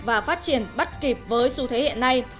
và phát triển bắt kịp với xu thế hiện nay